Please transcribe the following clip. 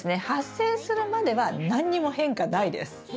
発生するまでは何にも変化ないです。